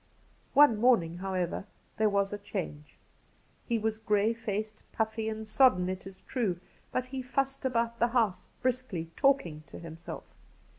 One morning, however, there was a change. He was gray faced, puffy and sodden, it is true, but he fussed about the house briskly, talkiag to himself.